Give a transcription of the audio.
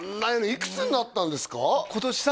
いくつになったんですか？